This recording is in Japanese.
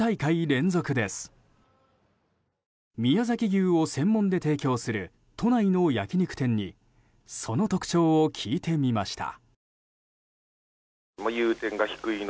牛を専門で提供する都内の焼き肉店にその特徴を聞いてみました。